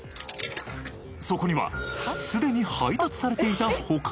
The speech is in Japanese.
そこにはすでに配達されていた他の料理が。